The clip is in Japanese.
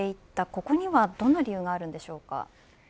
ここにはどんな理由があるんでしょうか。